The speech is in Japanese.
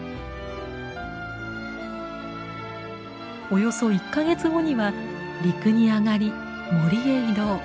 およそ１か月後には陸に上がり森へ移動。